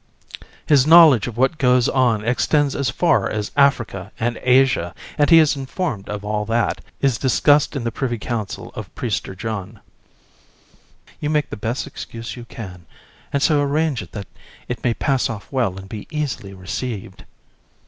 His knowledge of what goes on extends as far as Africa and Asia, and he is informed of all that; is discussed in the privy council of Prester John and the Great Mogul. JU. You make the best excuse you can, and so arrange it that it may pass off well and be easily received.